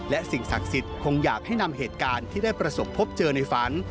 และสิ่งศักดิ์สิทธิ์คงอยากให้นำเหตุการณ์ที่ได้ประสบพบเจอในฝัน